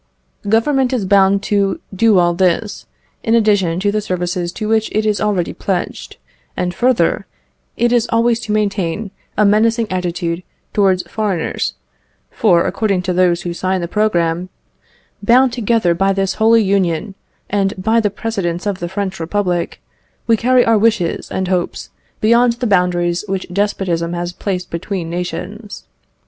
Government is bound to do all this, in addition to the services to which it is already pledged; and further, it is always to maintain a menacing attitude towards foreigners; for, according to those who sign the programme, "Bound together by this holy union, and by the precedents of the French Republic, we carry our wishes and hopes beyond the boundaries which despotism has placed between nations.